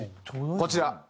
こちら。